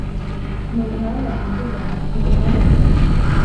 ni ubuhanga njye mvuga , ni ubuhanga njye mvuga ,